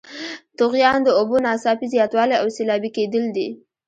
طغیان د اوبو ناڅاپي زیاتوالی او سیلابي کیدل دي.